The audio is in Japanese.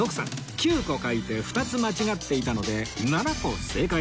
９個書いて２つ間違っていたので７個正解